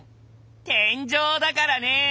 天井だからね。